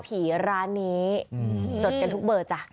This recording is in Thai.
ผีร้านนี้จดกันทุกเบอร์จ้ะ